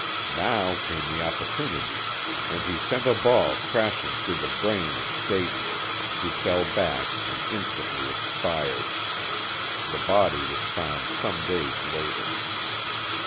Now came the opportunity and he sent a ball crashing through the brain of Stayton, who fell back and instantly expired. The body was found some days later.